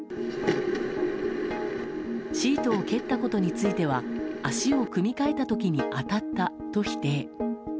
シートを蹴ったことについては足を組み替えた時に当たったと否定。